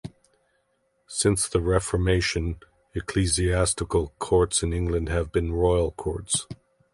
Since the Reformation, ecclesiastical courts in England have been royal courts.